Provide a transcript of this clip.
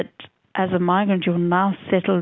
sebagai migran kita sekarang berada